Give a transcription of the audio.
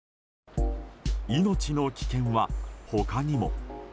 命の危険は、他にも。